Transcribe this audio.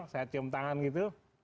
saya cium tangan gitu